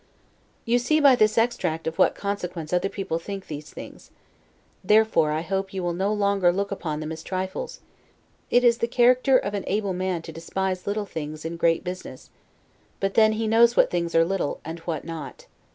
You see, by this extract, of what consequence other people think these things. Therefore, I hope you will no longer look upon them as trifles. It is the character of an able man to despise little things in great business: but then he knows what things are little, and what not.